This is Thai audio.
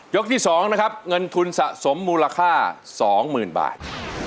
ที่๒นะครับเงินทุนสะสมมูลค่า๒๐๐๐บาท